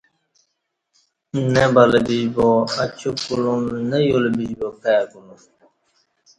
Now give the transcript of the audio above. نہ بلہ بِش با اچوک کُلوم نہ یولہ بِش با کئے کُلوم